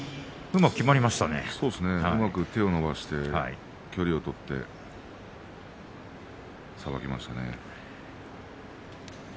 うまく手を伸ばして距離を取ってさばきましたね。